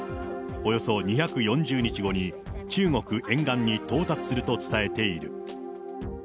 およそ２４０日後に、中国沿岸に到達すると伝えている。